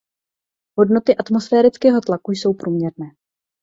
Hodnoty atmosférického tlaku jsou průměrné.